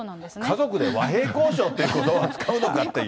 家族で和平交渉っていうことばを使うのかっていう。